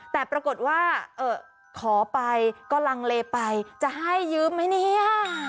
แต่ปรากฏว่าขอไปก็ลังเลไปจะให้ยืมไหมเนี่ย